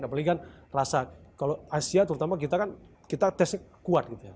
apalagi kan rasa kalau asia terutama kita kan kita tesnya kuat gitu ya